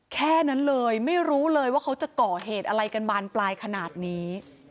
แค่นั้นเลยไม่รู้เลยว่าเขาจะก่อเหตุอะไรกันบานปลายขนาดนี้